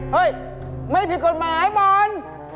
เฮ้ยไม่ผิดกฎหมายมอน